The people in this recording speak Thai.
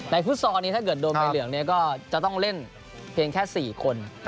ฟุตซอลนี้ถ้าเกิดโดนใบเหลืองก็จะต้องเล่นเพียงแค่๔คน